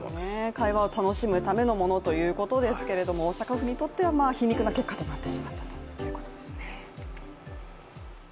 会話を楽しむためのものということですけど大阪府にとっては皮肉な結果となってしまったということですね。